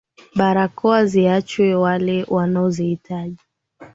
Barakoa ziachiwe wale wanaozihitaji